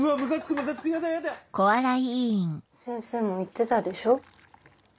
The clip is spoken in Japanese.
先生も言ってたでしょう。